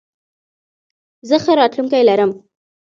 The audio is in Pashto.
زه ښه راتلونکې لرم.